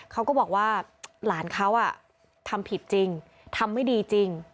เขาก็บอกว่าหลานเขาทำผิดจริงทำไม่ดีจริง